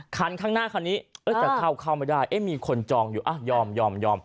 ครั้งหน้าข้างนี้เออจะเข้าไม่ได้มีคนจองอยู่ฮะยอมยอมยอม